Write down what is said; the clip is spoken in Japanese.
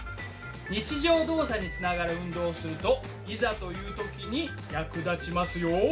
日常動作につながる運動をするといざという時に役立ちますよ。